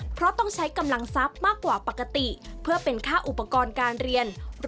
เพราะต้องใช้กำลังทรัพย์มากกว่าปกติ